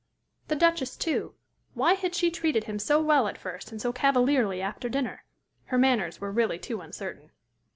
The Duchess, too. Why had she treated him so well at first, and so cavalierly after dinner? Her manners were really too uncertain.